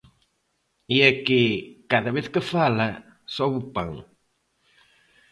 E é que, cada vez que fala, sobe o pan.